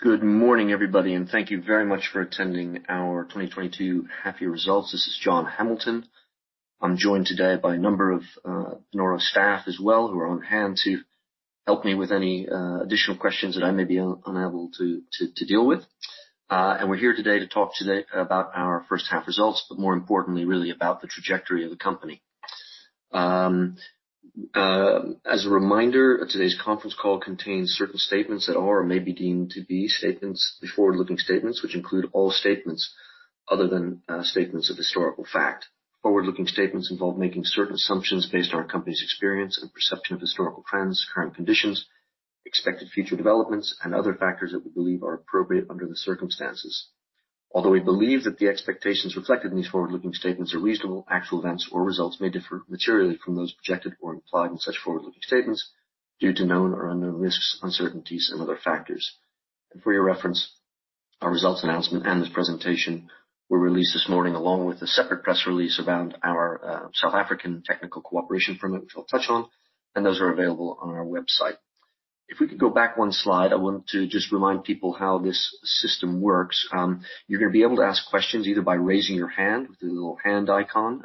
Good morning, everybody, and thank you very much for attending our 2022 half-year results. This is John Hamilton. I'm joined today by a number of Panoro staff as well, who are on hand to help me with any additional questions that I may be unable to deal with. We're here today to talk today about our first half results, but more importantly, really about the trajectory of the company. As a reminder, today's conference call contains certain statements that are or may be deemed to be forward-looking statements, which include all statements other than statements of historical fact. Forward-looking statements involve making certain assumptions based on our company's experience and perception of historical trends, current conditions, expected future developments, and other factors that we believe are appropriate under the circumstances. Although we believe that the expectations reflected in these forward-looking statements are reasonable, actual events or results may differ materially from those projected or implied in such forward-looking statements due to known or unknown risks, uncertainties, and other factors. For your reference, our results announcement and this presentation were released this morning, along with a separate press release around our South African Technical Cooperation Permit, which I'll touch on, and those are available on our website. If we could go back one slide, I want to just remind people how this system works. You're gonna be able to ask questions either by raising your hand with the little hand icon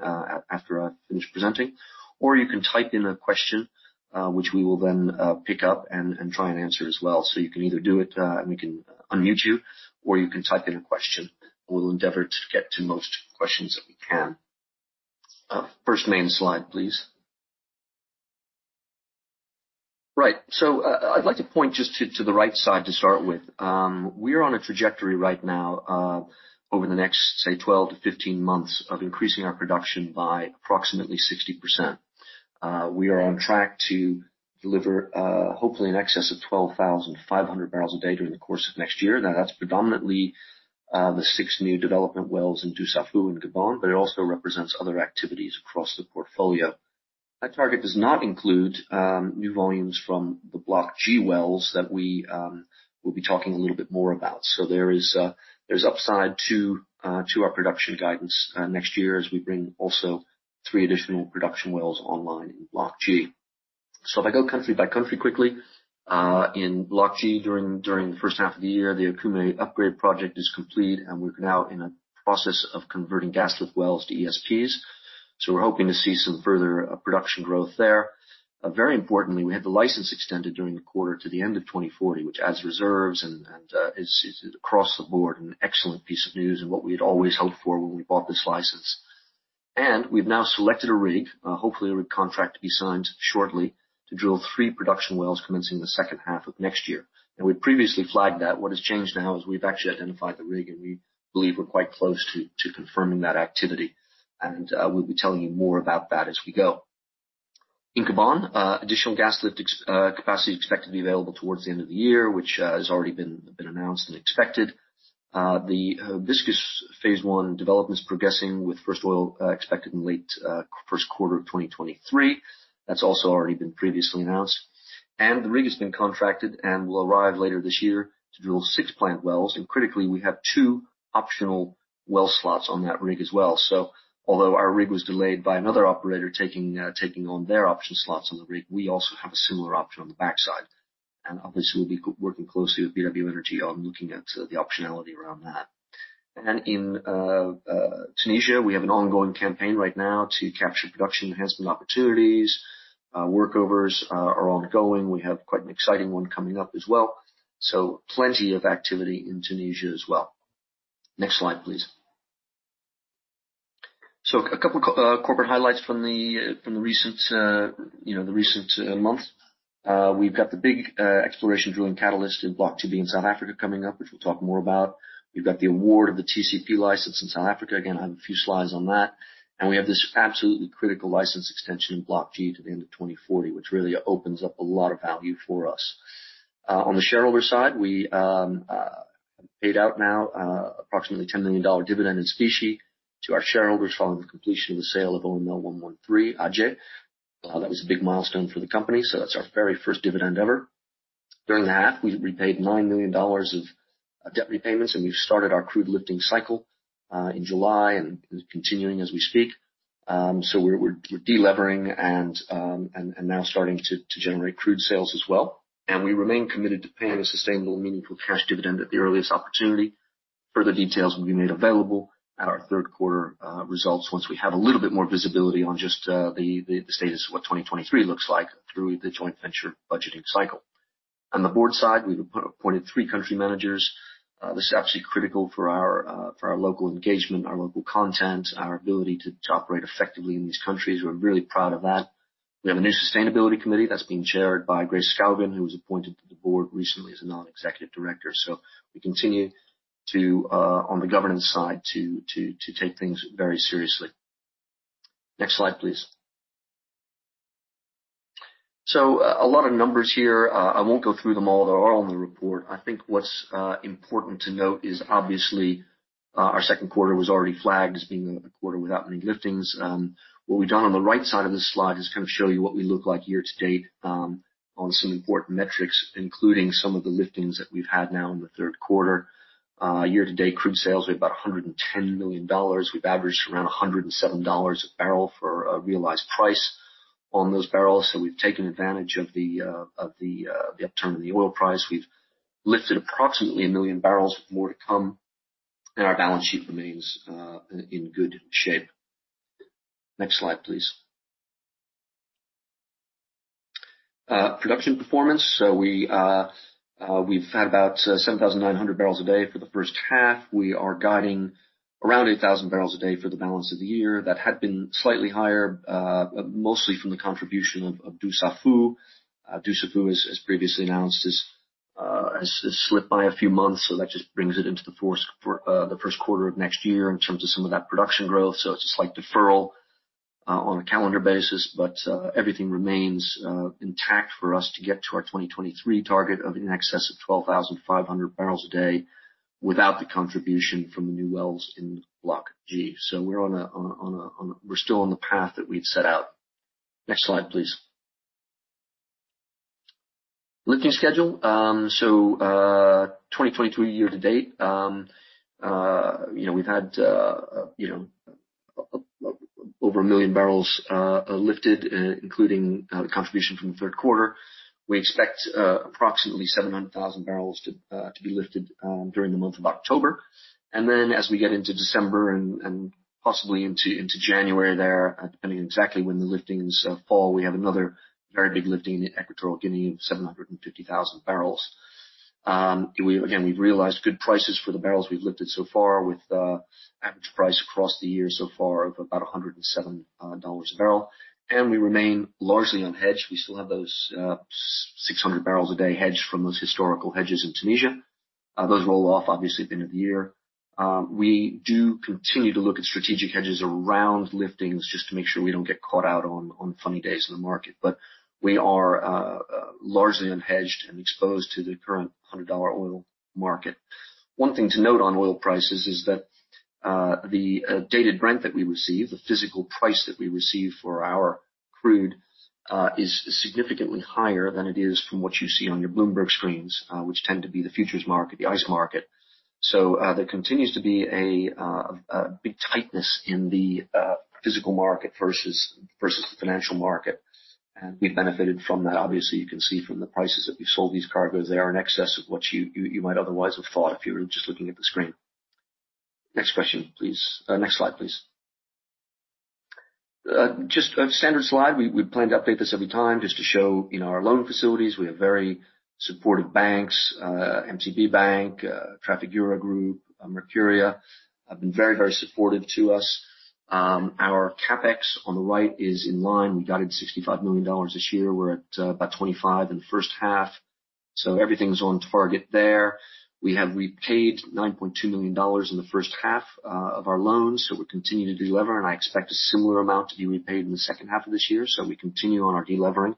after I finish presenting. Or you can type in a question, which we will then pick up and try and answer as well. You can either do it, and we can unmute you, or you can type in a question, and we'll endeavor to get to most questions that we can. First main slide, please. Right. I'd like to point just to the right side to start with. We're on a trajectory right now over the next, say, 12 months-15 months of increasing our production by approximately 60%. We are on track to deliver hopefully in excess of 12,500 barrels a day during the course of next year. Now, that's predominantly the six new development wells in Dussafu in Gabon, but it also represents other activities across the portfolio. That target does not include new volumes from the Block G wells that we will be talking a little bit more about. There is upside to our production guidance next year as we bring also three additional production wells online in Block G. If I go country by country quickly, in Block G, during the first half of the year, the Okume Upgrade Project is complete, and we're now in a process of converting gas lift wells to ESPs. We're hoping to see some further production growth there. Very importantly, we had the license extended during the quarter to the end of 2040, which adds reserves and is across the board an excellent piece of news and what we had always hoped for when we bought this license. We've now selected a rig, hopefully a rig contract to be signed shortly, to drill three production wells commencing the second half of next year. Now, we previously flagged that. What has changed now is we've actually identified the rig, and we believe we're quite close to confirming that activity. We'll be telling you more about that as we go. In Gabon, additional gas lift capacity expected to be available towards the end of the year, which has already been announced and expected. The Hibiscus phase I development is progressing with first oil expected in late first quarter of 2023. That's also already been previously announced. The rig has been contracted and will arrive later this year to drill six planned wells. Critically, we have two optional well slots on that rig as well. Although our rig was delayed by another operator taking on their option slots on the rig, we also have a similar option on the backside. Obviously, we'll be working closely with BW Energy on looking at the optionality around that. In Tunisia, we have an ongoing campaign right now to capture production enhancement opportunities. Workovers are ongoing. We have quite an exciting one coming up as well. Plenty of activity in Tunisia as well. Next slide, please. A couple corporate highlights from the recent month. We've got the big exploration drilling catalyst in Block 2B in South Africa coming up, which we'll talk more about. We've got the award of the TCP license in South Africa. Again, I have a few slides on that. We have this absolutely critical license extension in Block G to the end of 2040, which really opens up a lot of value for us. On the shareholder side, we paid out now approximately $10 million dividend in specie to our shareholders following the completion of the sale of OML 113, Aje. That was a big milestone for the company, so that's our very first dividend ever. During the half, we repaid $9 million of debt repayments, and we've started our crude lifting cycle in July and continuing as we speak. So we're delevering and now starting to generate crude sales as well. We remain committed to paying a sustainable, meaningful cash dividend at the earliest opportunity. Further details will be made available at our third quarter results once we have a little bit more visibility on just the status of what 2023 looks like through the joint venture budgeting cycle. On the board side, we've appointed three country managers. This is absolutely critical for our local engagement, our local content, our ability to operate effectively in these countries. We're really proud of that. We have a new sustainability committee that's being chaired by Grace Reksten Skaugen, who was appointed to the board recently as a non-executive director. We continue to, on the governance side, to take things very seriously. Next slide, please. A lot of numbers here. I won't go through them all. They are all on the report. I think what's important to note is obviously our second quarter was already flagged as being a quarter without any liftings. What we've done on the right side of this slide is kinda show you what we look like year to date, on some important metrics, including some of the liftings that we've had now in the third quarter. Year-to-date, crude sales are about $110 million. We've averaged around $107 a barrel for a realized price on those barrels. We've taken advantage of the upturn in the oil price. We've lifted approximately 1 million barrels with more to come, and our balance sheet remains in good shape. Next slide, please. Production performance. We've had about 7,900 barrels a day for the first half. We are guiding around 8,000 barrels a day for the balance of the year. That had been slightly higher, mostly from the contribution of Dussafu. Dussafu, as previously announced, has slipped by a few months, so that just brings it into the fourth for the first quarter of next year in terms of some of that production growth. It's a slight deferral on a calendar basis, but everything remains intact for us to get to our 2023 target of in excess of 12,500 barrels a day without the contribution from the new wells in Block G. We're still on the path that we've set out. Next slide, please. Lifting schedule,2022 year-to-date, you know, we've had, you know, over 1 million barrels lifted, including the contribution from the third quarter. We expect approximately 700,000 barrels to be lifted during the month of October. As we get into December and possibly into January there, depending on exactly when the liftings fall, we have another very big lifting in Equatorial Guinea of 750,000 barrels. We again we've realized good prices for the barrels we've lifted so far with average price across the year so far of about $107 a barrel. We remain largely unhedged. We still have those 600 barrels a day hedged from those historical hedges in Tunisia. Those roll off obviously at the end of the year. We do continue to look at strategic hedges around liftings just to make sure we don't get caught out on funny days in the market. We are largely unhedged and exposed to the current $100 oil market. One thing to note on oil prices is that dated Brent that we receive, the physical price that we receive for our crude, is significantly higher than it is from what you see on your Bloomberg screens, which tend to be the futures market, the ICE market. There continues to be a big tightness in the physical market versus the financial market. We've benefited from that. Obviously, you can see from the prices that we've sold these cargoes, they are in excess of what you might otherwise have thought if you were just looking at the screen. Next question, please. Next slide, please. Just a standard slide. We plan to update this every time just to show, you know, our loan facilities. We have very supportive banks, MCB Bank, Trafigura Group, Mercuria, have been very, very supportive to us. Our CapEx on the right is in line. We guided $65 million this year. We're at about $25 million in the first half. Everything's on target there. We have repaid $9.2 million in the first half of our loans, so we're continuing to delever, and I expect a similar amount to be repaid in the second half of this year. We continue on our deleveraging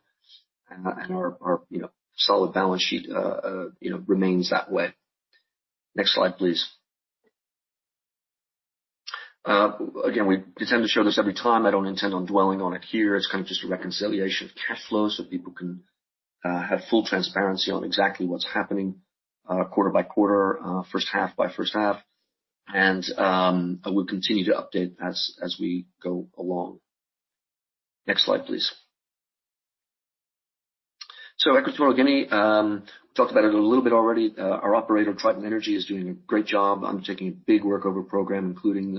and our you know solid balance sheet you know remains that way. Next slide, please. Again, we tend to show this every time. I don't intend on dwelling on it here. It's kind of just a reconciliation of cash flow so people can have full transparency on exactly what's happening quarter-by-quarter, first half-by-first half. We'll continue to update as we go along. Next slide, please. Equatorial Guinea, talked about it a little bit already. Our Operator, Trident Energy, is doing a great job undertaking a big workover program, including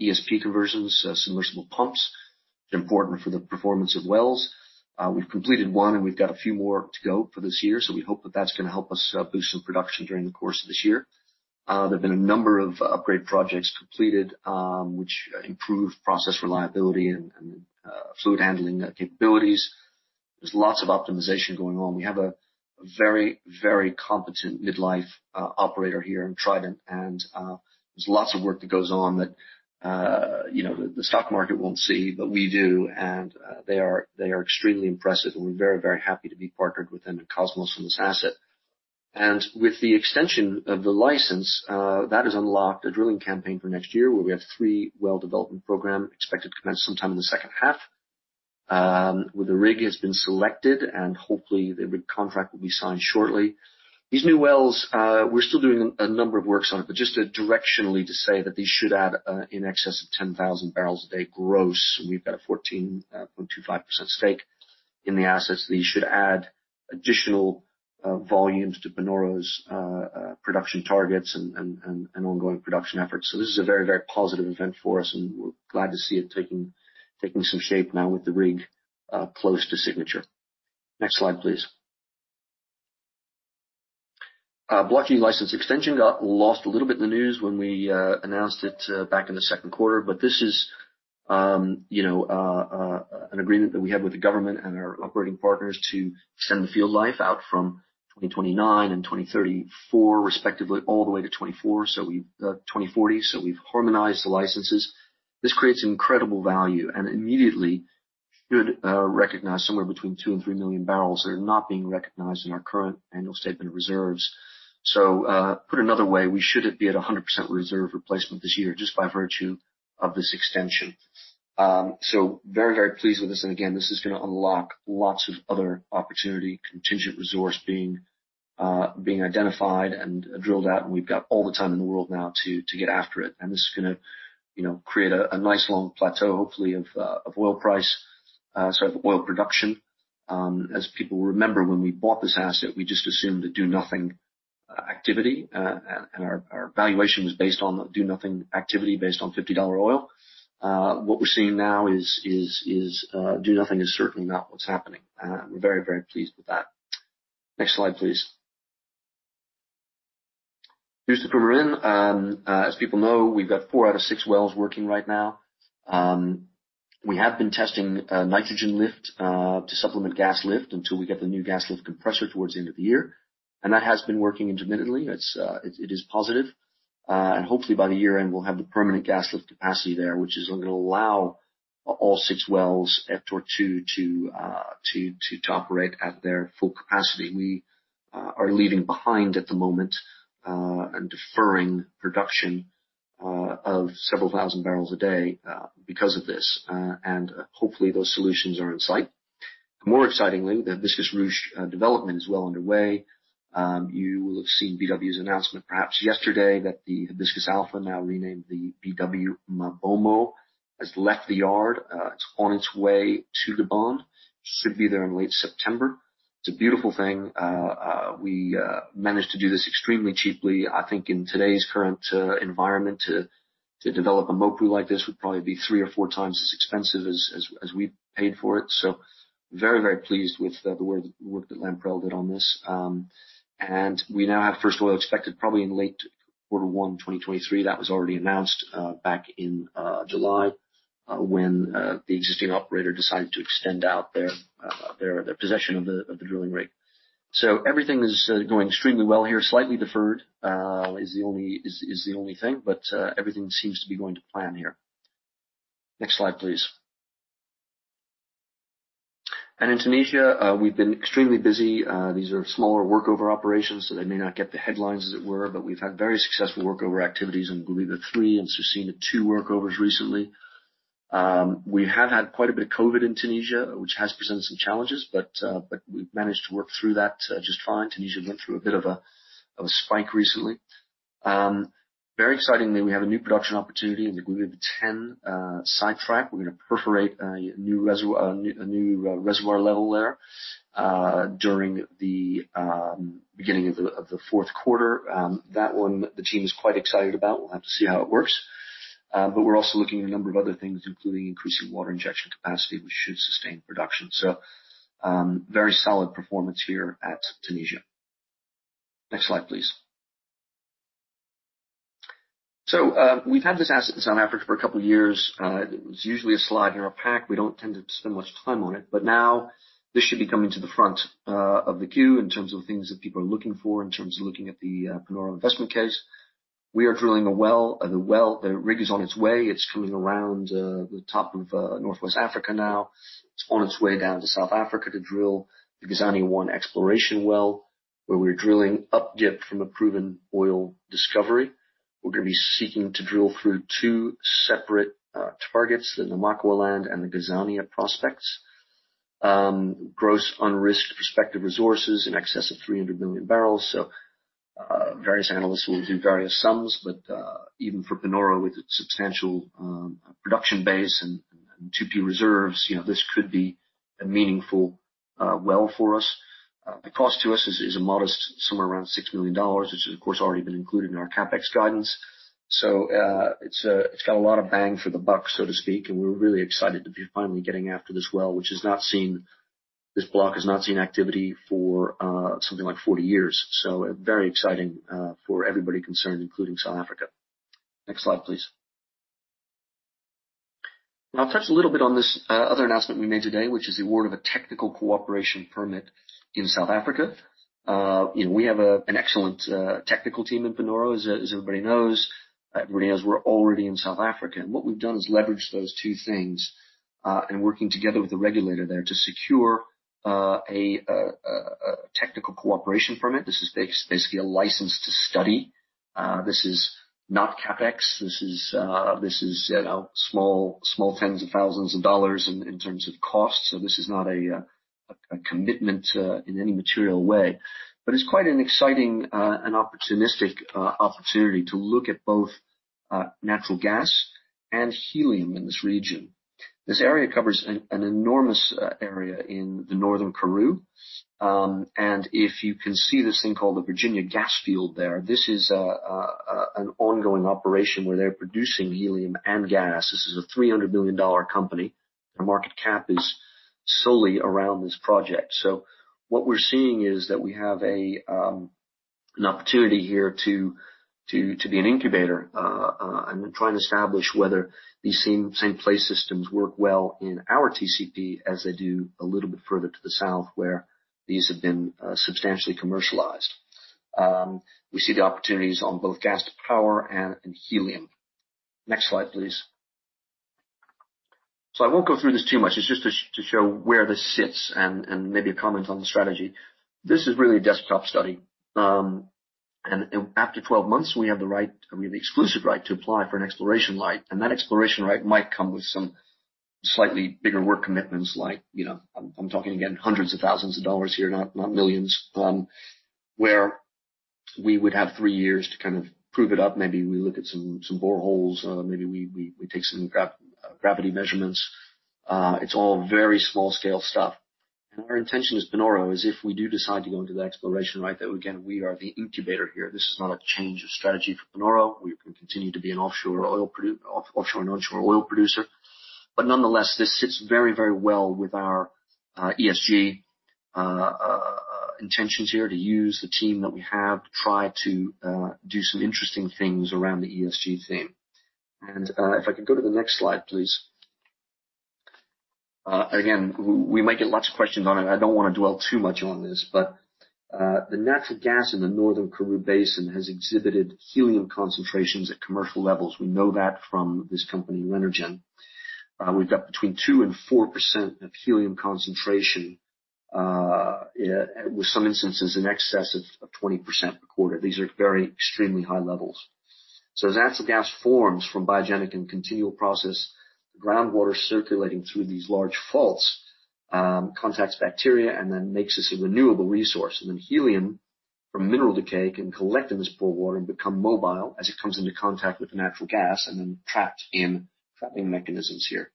ESP conversions, submersible pumps. Important for the performance of wells. We've completed one and we've got a few more to go for this year, so we hope that that's gonna help us boost some production during the course of this year. There have been a number of upgrade projects completed, which improve process reliability and fluid handling capabilities. There's lots of optimization going on. We have a very, very competent mid-life operator here in Trident, and there's lots of work that goes on that you know, the stock market won't see, but we do, and they are extremely impressive, and we're very, very happy to be partnered with them and Kosmos on this asset. With the extension of the license, that has unlocked a drilling campaign for next year, where we have three well development program expected to commence sometime in the second half. Where the rig has been selected, and hopefully the rig contract will be signed shortly. These new wells, we're still doing a number of works on it, but just directionally to say that these should add in excess of 10,000 barrels a day gross. We've got a 14.25% stake in the assets. These should add additional volumes to Panoro's production targets and ongoing production efforts. This is a very, very positive event for us, and we're glad to see it taking some shape now with the rig close to signature. Next slide, please. Block G license extension got lost a little bit in the news when we announced it back in the second quarter. This is, you know, an agreement that we have with the government and our operating partners to extend the field life out from 2029 and 2034 respectively, all the way to 2040. We've harmonized the licenses. This creates incredible value and immediately should recognize somewhere between 2 million-3 million barrels that are not being recognized in our current annual statement of reserves. Put another way, we should be at 100% reserve replacement this year just by virtue of this extension. Very, very pleased with this. Again, this is gonna unlock lots of other opportunity, contingent resource being identified and drilled out, and we've got all the time in the world now to get after it. This is gonna, you know, create a nice long plateau, hopefully, of oil production. As people remember, when we bought this asset, we just assumed a do-nothing activity, and our valuation was based on that do-nothing activity based on $50 oil. What we're seeing now is do-nothing is certainly not what's happening. We're very pleased with that. Next slide, please. Here's the Permian. As people know, we've got four out of six wells working right now. We have been testing nitrogen lift to supplement gas lift until we get the new gas lift compressor towards the end of the year. That has been working intermittently. It is positive. Hopefully by the year-end, we'll have the permanent gas lift capacity there, which is gonna allow all six wells at Tortue to operate at their full capacity. We are leaving on the table at the moment and deferring production of several thousand barrels a day because of this. Hopefully, those solutions are in sight. More excitingly, the Hibiscus Ruche development is well underway. You will have seen BW's announcement, perhaps yesterday, that the Hibiscus Alpha, now renamed the BW MaBoMo, has left the yard. It's on its way to Gabon. Should be there in late September. It's a beautiful thing. We managed to do this extremely cheaply. I think in today's current environment to develop a MOPU like this would probably be three or four times as expensive as we paid for it. Very, very pleased with the work that Lamprell did on this. We now have first oil expected probably in late quarter one, 2023. That was already announced back in July when the existing operator decided to extend out their possession of the drilling rig. Everything is going extremely well here. Slightly deferred is the only thing, but everything seems to be going to plan here. Next slide, please. In Tunisia, we've been extremely busy. These are smaller workover operations, so they may not get the headlines as it were, but we've had very successful workover activities in Guebiba-3 and Zuisena-2 workovers recently. We have had quite a bit of COVID in Tunisia, which has presented some challenges, but we've managed to work through that, just fine. Tunisia went through a bit of a spike recently. Very excitingly, we have a new production opportunity in the Guebiba-10 sidetrack. We're gonna perforate a new reservoir level there, during the beginning of the fourth quarter. That one, the team is quite excited about. We'll have to see how it works. We're also looking at a number of other things, including increasing water injection capacity, which should sustain production. Very solid performance here at Tunisia. Next slide, please. We've had this asset in South Africa for a couple of years. It was usually a slide in our pack. We don't tend to spend much time on it. This should be coming to the front of the queue in terms of things that people are looking for in terms of looking at the Panoro investment case. We are drilling a well. The rig is on its way. It's coming around the top of Northwest Africa now. It's on its way down to South Africa to drill the Gazania-1 exploration well, where we're drilling updip from a proven oil discovery. We're gonna be seeking to drill through two separate targets, the Namaqualand and the Gazania prospects. Gross unrisked prospective resources in excess of 300 million barrels. Various analysts will do various sums, but even for Panoro, with its substantial production base and 2P reserves, you know, this could be a meaningful well for us. The cost to us is a modest somewhere around $6 million, which is, of course, already been included in our CapEx guidance. It's got a lot of bang for the buck, so to speak, and we're really excited to be finally getting after this well, this block has not seen activity for something like 40 years. Very exciting for everybody concerned, including South Africa. Next slide, please. I'll touch a little bit on this other announcement we made today, which is the award of a Technical Cooperation Permit in South Africa. You know, we have an excellent technical team in Panoro, as everybody knows. Everybody knows we're already in South Africa. What we've done is leverage those two things in working together with the regulator there to secure a Technical Cooperation Permit. This is basically a license to study. This is not CapEx. This is, you know, small tens of thousands of dollars in terms of cost. This is not a commitment in any material way. It's quite an exciting and opportunistic opportunity to look at both natural gas and helium in this region. This area covers an enormous area in the northern Karoo. If you can see this thing called the Virginia Gas Field there, this is an ongoing operation where they're producing helium and gas. This is a $300 million company. Their market cap is solely around this project. What we're seeing is that we have an opportunity here to be an incubator and trying to establish whether these same play systems work well in our TCP as they do a little bit further to the south, where these have been substantially commercialized. We see the opportunities on both gas to power and in helium. Next slide, please. I won't go through this too much. It's just to show where this sits and maybe a comment on the strategy. This is really a desktop study. After 12 months, we have the right, I mean, the exclusive right to apply for an Exploration Right. That Exploration Right might come with some slightly bigger work commitments, like, you know, I'm talking again hundreds of thousands of dollars here, not millions, where we would have three years to kind of prove it up. Maybe we look at some boreholes, or maybe we take some gravity measurements. It's all very small scale stuff. Our intention as Panoro is if we do decide to go into the Exploration Right, that again, we are the incubator here. This is not a change of strategy for Panoro. We can continue to be an offshore and onshore oil producer. Nonetheless, this sits very, very well with our ESG intentions here to use the team that we have to try to do some interesting things around the ESG theme. If I could go to the next slide, please. Again, we might get lots of questions on it. I don't wanna dwell too much on this, but the natural gas in the Northern Karoo Basin has exhibited helium concentrations at commercial levels. We know that from this company, Renergen. We've got between 2% and 4% of helium concentration with some instances in excess of 20% recorded. These are very extremely high levels. As natural gas forms from biogenic and continual process, the groundwater circulating through these large faults contacts bacteria and then makes this a renewable resource. Helium from mineral decay can collect in this bore water and become mobile as it comes into contact with natural gas and then trapped in trapping mechanisms here.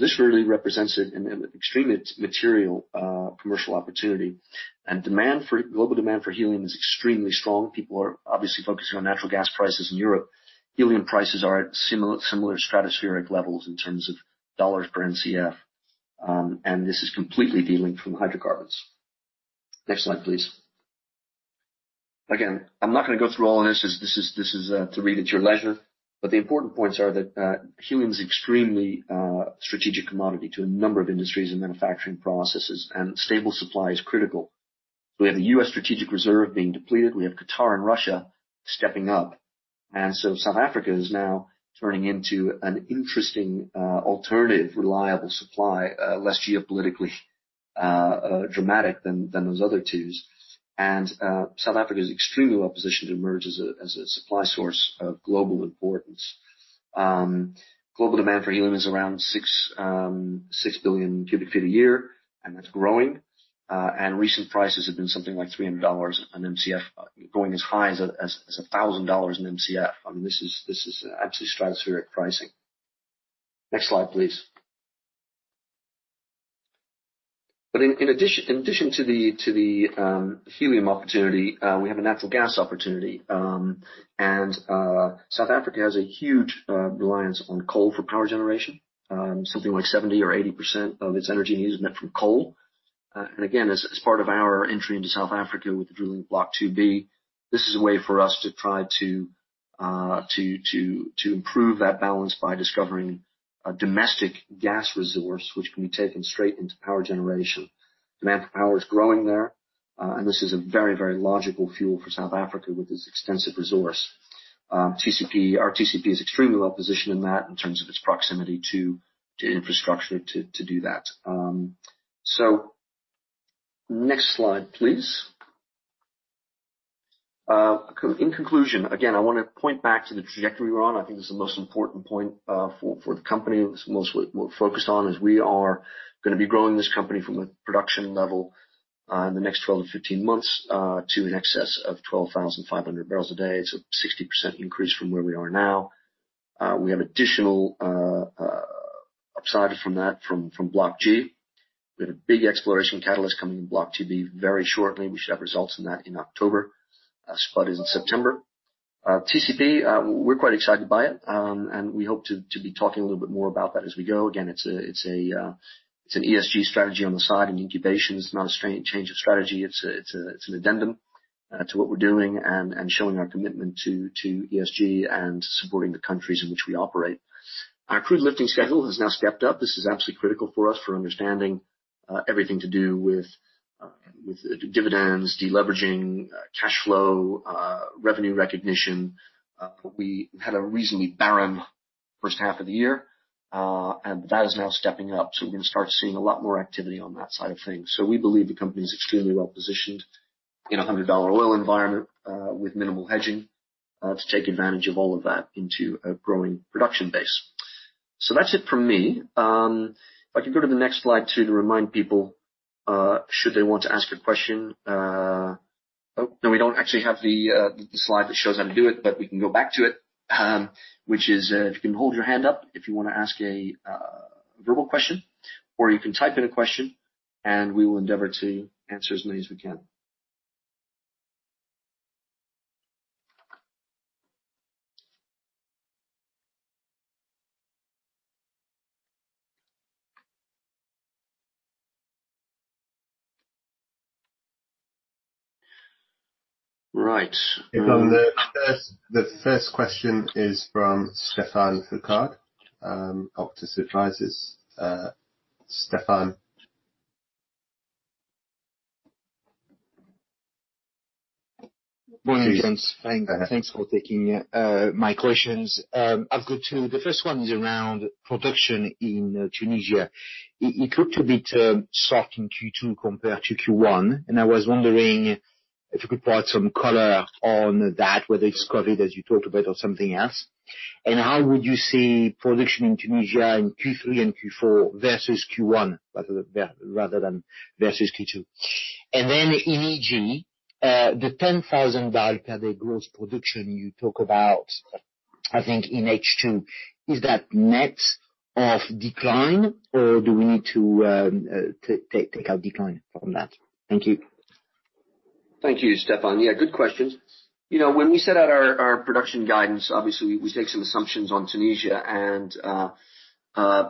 This really represents an extremely material commercial opportunity. Global demand for helium is extremely strong. People are obviously focusing on natural gas prices in Europe. Helium prices are at similar stratospheric levels in terms of dollars per Mcf, and this is completely delinked from hydrocarbons. Next slide, please. Again, I'm not gonna go through all of this. This is to read at your leisure. The important points are that helium is extremely strategic commodity to a number of industries and manufacturing processes, and stable supply is critical. We have the U.S. strategic reserve being depleted. We have Qatar and Russia stepping up. South Africa is now turning into an interesting alternative, reliable supply, less geopolitically dramatic than those other twos. South Africa is extremely well-positioned to emerge as a supply source of global importance. Global demand for helium is around 6 billion cubic feet a year, and that's growing. Recent prices have been something like $300 an Mcf, going as high as $1,000 an Mcf. I mean, this is actually stratospheric pricing. Next slide, please. In addition to the helium opportunity, we have a natural gas opportunity. South Africa has a huge reliance on coal for power generation. Something like 70% or 80% of its energy needs met from coal. As part of our entry into South Africa with the drilling Block 2B, this is a way for us to try to improve that balance by discovering a domestic gas resource which can be taken straight into power generation. Demand for power is growing there, and this is a very logical fuel for South Africa with this extensive resource. Our TCP is extremely well-positioned in that in terms of its proximity to infrastructure to do that. Next slide, please. In conclusion, again, I wanna point back to the trajectory we're on. I think it's the most important point for the company. It's mostly what we're focused on, as we are gonna be growing this company from a production level in the next 12 months-15 months to an excess of 12,500 barrels a day. It's a 60% increase from where we are now. We have additional upside from Block G. We have a big exploration catalyst coming in Block 2B very shortly. We should have results in that in October, spud is in September. TCP, we're quite excited by it. We hope to be talking a little bit more about that as we go. Again, it's an ESG strategy on the side and incubation. It's not a change of strategy. It's an addendum to what we're doing and showing our commitment to ESG and supporting the countries in which we operate. Our crude lifting schedule has now stepped up. This is absolutely critical for us for understanding everything to do with dividends, deleveraging, cash flow, revenue recognition. We had a reasonably barren first half of the year, and that is now stepping up, so we're gonna start seeing a lot more activity on that side of things. We believe the company is extremely well-positioned in a $100 oil environment, with minimal hedging, to take advantage of all of that into a growing production base. That's it from me. If I can go to the next slide too, to remind people, should they want to ask a question. Oh, no, we don't actually have the slide that shows how to do it, but we can go back to it. Which is, if you can hold your hand up if you wanna ask a verbal question or you can type in a question and we will endeavor to answer as many as we can. Right. The first question is from Stephane Foucaud, Auctus Advisors. Stephane. Morning, John. Thanks for taking my questions. I've got two. The first one is around production in Tunisia. It looked a bit soft in Q2 compared to Q1, and I was wondering- If you could provide some color on that, whether it's COVID, as you talked about, or something else. How would you see production in Tunisia in Q3 and Q4 versus Q1, rather than versus Q2? Then in EG, the $10,000 per day gross production you talk about, I think in H2, is that net of decline or do we need to take out decline from that? Thank you. Thank you, Stephane. Yeah, good questions. You know, when we set out our production guidance, obviously we take some assumptions on Tunisia and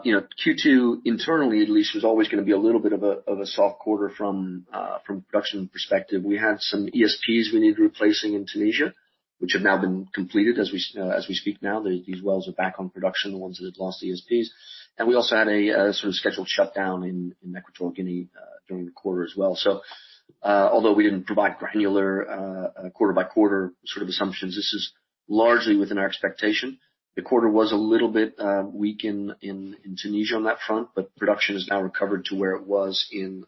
you know, Q2 internally at least was always gonna be a little bit of a soft quarter from a production perspective. We had some ESPs we need replacing in Tunisia, which have now been completed as we speak now. These wells are back on production, the ones that had lost ESPs. We also had a sort of scheduled shutdown in Equatorial Guinea during the quarter as well. Although we didn't provide granular quarter by quarter sort of assumptions, this is largely within our expectation. The quarter was a little bit weak in Tunisia on that front, but production has now recovered to where it was in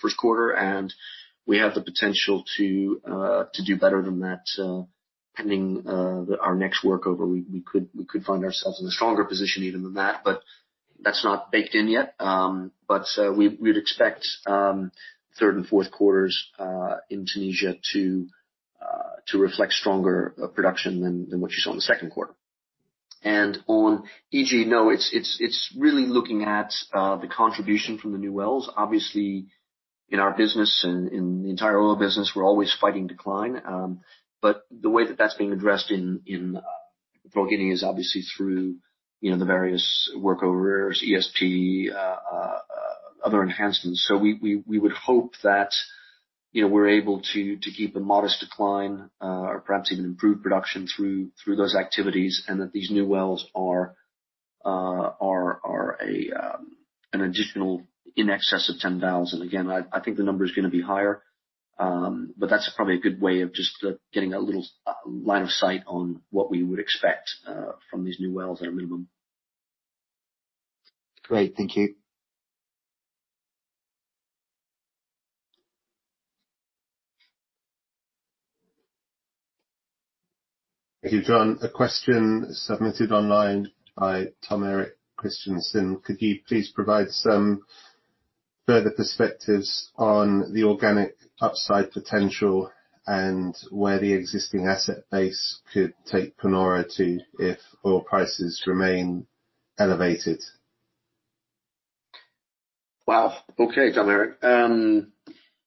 first quarter and we have the potential to do better than that, pending our next workover. We could find ourselves in a stronger position even than that, but that's not baked in yet. We'd expect third and fourth quarters in Tunisia to reflect stronger production than what you saw in the second quarter. On EG, it's really looking at the contribution from the new wells. Obviously, in our business and in the entire oil business, we're always fighting decline, but the way that that's being addressed in Equatorial Guinea is obviously through, you know, the various workovers, ESP, other enhancements. We would hope that, you know, we're able to keep a modest decline, or perhaps even improve production through those activities, and that these new wells are an additional in excess of 10,000. Again, I think the number is gonna be higher, but that's probably a good way of just getting a little line of sight on what we would expect from these new wells at a minimum. Great. Thank you. Thank you, John. A question submitted online by Teodor Sveen-Nilsen. Could you please provide some further perspectives on the organic upside potential and where the existing asset base could take Panoro to if oil prices remain elevated? Wow. Okay, Teodor.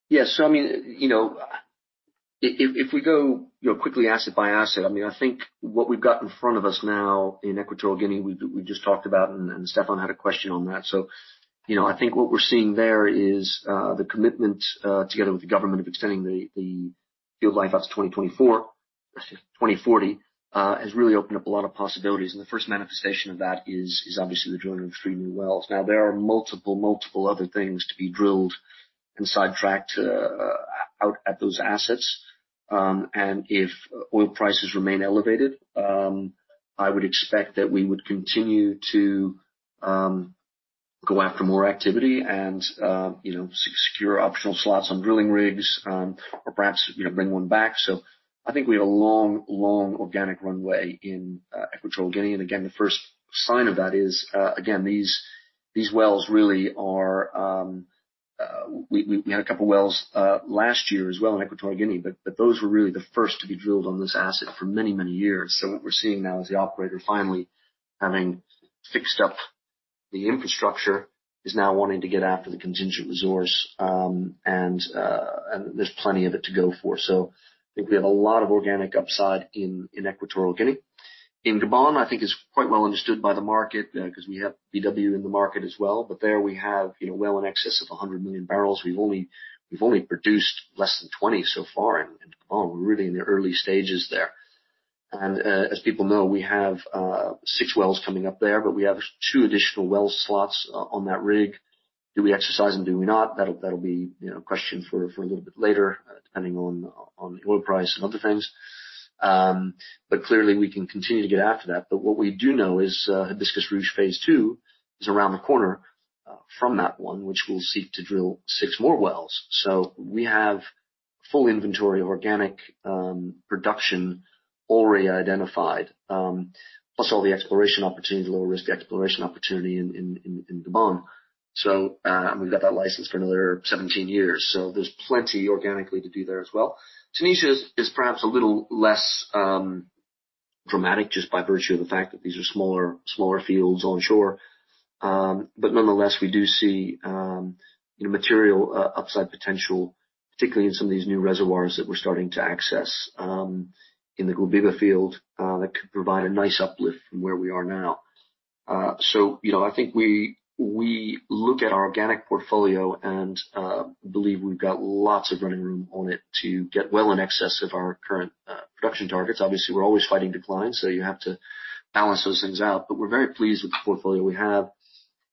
Yeah, I mean, you know, if we go, you know, quickly asset by asset, I mean, I think what we've got in front of us now in Equatorial Guinea, we just talked about and Stephane had a question on that. You know, I think what we're seeing there is the commitment together with the government of extending the field life out to 2024-2040 has really opened up a lot of possibilities. The first manifestation of that is obviously the drilling of three new wells. Now, there are multiple other things to be drilled and sidetracked out at those assets. If oil prices remain elevated, I would expect that we would continue to go after more activity and, you know, secure optional slots on drilling rigs, or perhaps, you know, bring one back. I think we have a long, long organic runway in Equatorial Guinea. Again, the first sign of that is, again, we had a couple of wells last year as well in Equatorial Guinea, but those were really the first to be drilled on this asset for many, many years. What we're seeing now is the operator finally having fixed up the infrastructure, is now wanting to get after the contingent resource, and there's plenty of it to go for. I think we have a lot of organic upside in Equatorial Guinea. In Gabon, I think is quite well understood by the market, 'cause we have BW in the market as well. There we have, you know, well in excess of 100 million barrels. We've only produced less than 20 barrels so far in Gabon. We're really in the early stages there. As people know, we have six wells coming up there, but we have two additional well slots on that rig. Do we exercise them? Do we not? That'll be, you know, a question for a little bit later, depending on the oil price and other things. Clearly we can continue to get after that. What we do know is, Hibiscus Ruche phase II is around the corner from that one, which will seek to drill six more wells. We have full inventory of organic production already identified. Plus all the exploration opportunities, low-risk exploration opportunity in Gabon. We've got that license for another 17 years, so there's plenty organically to do there as well. Tunisia is perhaps a little less dramatic just by virtue of the fact that these are smaller fields onshore. Nonetheless, we do see material upside potential, particularly in some of these new reservoirs that we're starting to access in the Guebiba oilfield, that could provide a nice uplift from where we are now. You know, I think we look at our organic portfolio and believe we've got lots of running room on it to get well in excess of our current production targets. Obviously, we're always fighting decline, so you have to balance those things out. We're very pleased with the portfolio we have.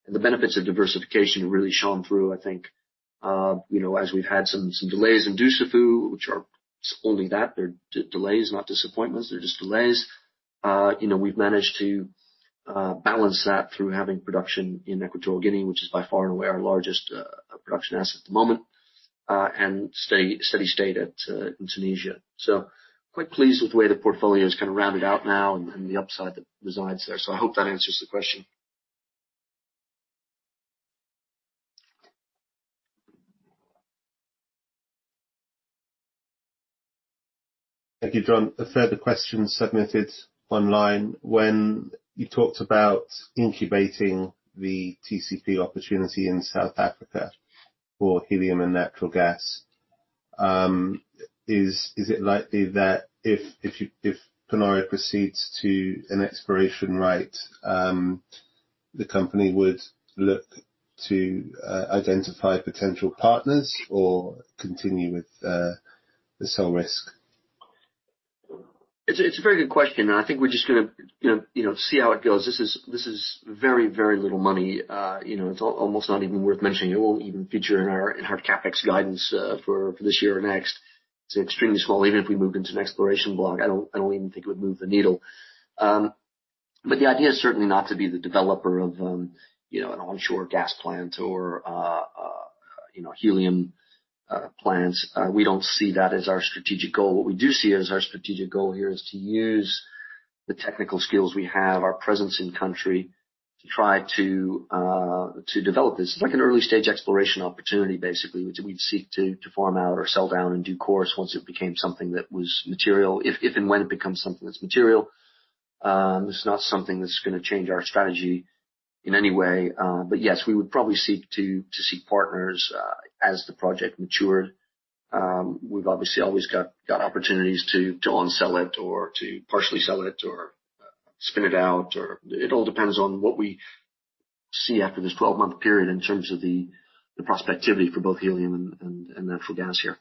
The benefits of diversification really shone through, I think, you know, as we've had some delays in Dussafu, which are only that. They're delays, not disappointments. They're just delays. You know, we've managed to balance that through having production in Equatorial Guinea, which is by far and away our largest production asset at the moment, and stay steady state at in Tunisia. Quite pleased with the way the portfolio is kinda rounded out now and the upside that resides there. I hope that answers the question. Thank you, John. A further question submitted online. When you talked about incubating the TCP opportunity in South Africa for helium and natural gas, is it likely that if Panoro proceeds to an Exploration Right, the company would look to identify potential partners or continue with the sole risk? It's a very good question, and I think we're just gonna, you know, see how it goes. This is very little money. You know, it's almost not even worth mentioning. It won't even feature in our CapEx guidance for this year or next. It's extremely small. Even if we moved into an exploration block, I don't even think it would move the needle. The idea is certainly not to be the developer of an onshore gas plant or helium plants. We don't see that as our strategic goal. What we do see as our strategic goal here is to use the technical skills we have, our presence in country to try to develop this. It's like an early-stage exploration opportunity, basically, which we'd seek to farm out or sell down in due course once it became something that was material. If and when it becomes something that's material, this is not something that's gonna change our strategy in any way. Yes, we would probably seek to seek partners as the project matured. We've obviously always got opportunities to unsell it or to partially sell it or spin it out, or it all depends on what we see after this 12-month period in terms of the prospectivity for both helium and natural gas here.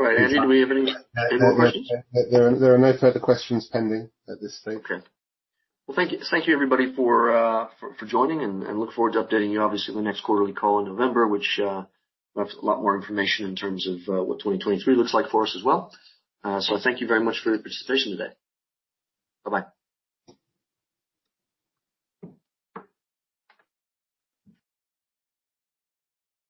Right. Andy, do we have any more questions? There are no further questions pending at this stage. Okay. Well, thank you. Thank you, everybody, for joining and look forward to updating you obviously in the next quarterly call in November, which we'll have a lot more information in terms of what 2023 looks like for us as well. Thank you very much for your participation today. Bye-bye.